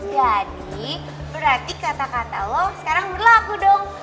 jadi berarti kata kata lo sekarang berlaku dong